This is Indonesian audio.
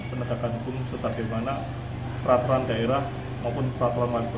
penindakan hukum sebagaimana peraturan daerah maupun peraturan wanita